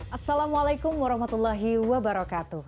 assalamualaikum warahmatullahi wabarakatuh